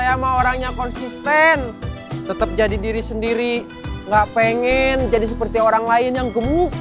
sama orangnya konsisten tetap jadi diri sendiri gak pengen jadi seperti orang lain yang gemuk